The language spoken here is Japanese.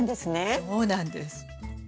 そうなんです。